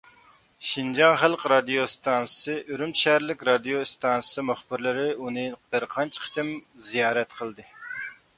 شىنجاڭ خەلق رادىيو ئىستانسىسى، ئۈرۈمچى شەھەرلىك رادىيو ئىستانسىسى مۇخبىرلىرى ئۇنى بىرقانچە قېتىم زىيارەت قىلدى.